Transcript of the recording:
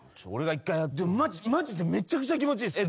でもマジでめっちゃくちゃ気持ちいいっす。